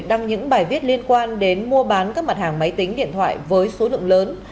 đăng những bài viết liên quan đến mua bán các mặt hàng máy tính điện thoại với số lượng lớn